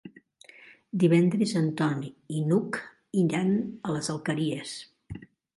Divendres en Ton i n'Hug iran a les Alqueries.